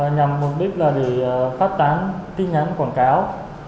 nhằm mục đích là để phát tán tin nhắn quảng cáo